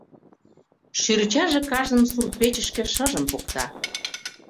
Шӱрчаже кажным сурт-печышке шыжым покта.